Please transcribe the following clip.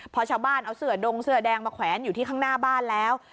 พอชาวบ้านเอาเสื้อดงเสื้อแดงมาแขวนอยู่ที่ข้างหน้าบ้านแล้ว